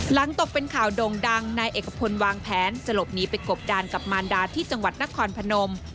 หลังตกเป็นข่าวโด่งดังณ่เสพจะลบหนีไปกบด่านกับมารดาที่จังหวัดนครพนม